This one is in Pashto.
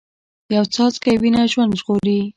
یو څاڅکی وینه ژوند ژغوري